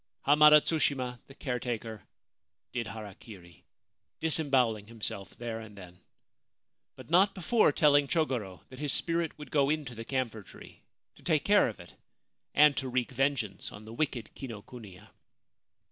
Hamada Tsushima, the caretaker, did harakiri, dis embowelling himself there and then ; but not before telling Chogoro that his spirit would go into the camphor tree, to take care of it, and to wreak vengeance on the wicked Kinokuniya.